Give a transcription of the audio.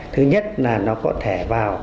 thứ nhất là nó có thể vào